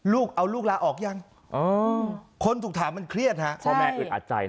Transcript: ลูกเอาลูกลาออกยังคนถูกถามมันเครียดฮะ